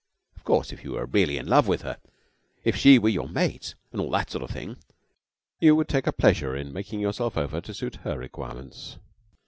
Of course, if you were really in love with her, if she were your mate, and all that sort of thing, you would take a pleasure in making yourself over to suit her requirements.